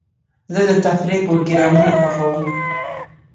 زه د تفریح پروګرامونه خوښوم.